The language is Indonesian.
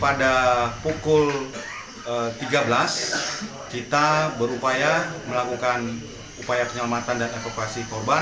pada pukul tiga belas kita berupaya melakukan upaya penyelamatan dan evakuasi korban